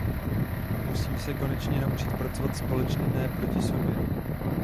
Musíme se konečně naučit pracovat společně, ne proti sobě.